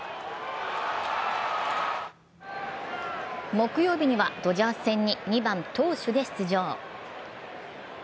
木曜日にはドジャース戦に２番・投手で出場。